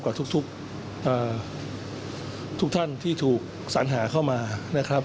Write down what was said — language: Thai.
ทุกท่านที่ถูกสัญหาเข้ามานะครับ